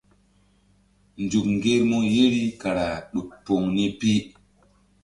Nzuk ŋgermu yeri kara ɗuk poŋ ni pi.